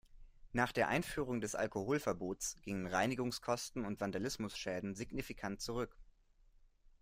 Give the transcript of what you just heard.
Nach der Einführung des Alkoholverbots gingen Reinigungskosten und Vandalismusschäden signifikant zurück.